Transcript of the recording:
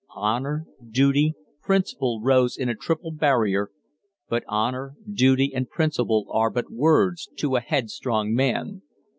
Honor, duty, principle rose in a triple barrier; but honor, duty, and principle are but words to a headstrong man.